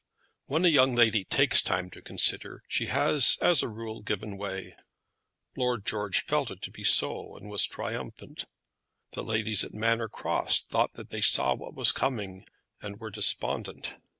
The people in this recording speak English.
When a young lady takes time to consider she has, as a rule, given way, Lord George felt it to be so, and was triumphant. The ladies at Manor Cross thought that they saw what was coming, and were despondent.